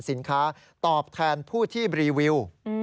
สินค้าตอบแทนผู้ที่รีวิว